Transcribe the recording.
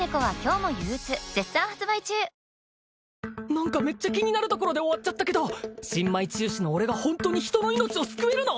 何かめっちゃ気になるところで終わったけど新米治癒士の俺がホントに人の命を救えるの！？